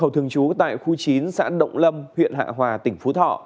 hậu thường trú tại khu chín xã động lâm huyện hạ hòa tỉnh phú thọ